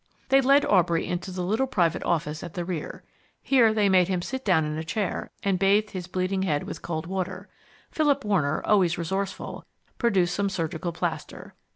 They led Aubrey into the little private office at the rear. Here they made him sit down in a chair and bathed his bleeding head with cold water. Philip Warner, always resourceful, produced some surgical plaster.